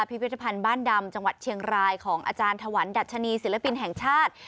พิพิธภัณฑ์บ้านดำจังหวัดเชียงรายของอาจารย์ถวันดัชนีศิลปินแห่งชาติ